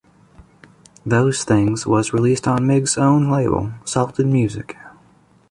'Those Things' was released on Migs own label, Salted Music.